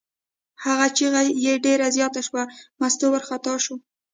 هغه چغه یې ډېره زیاته شوه، مستو وارخطا شوه.